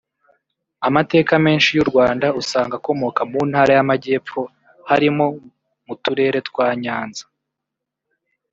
Amateka menshi y’u Rwanda usanga akomoka mu ntara y’amajyepfo harimo mu turere twa Nyanza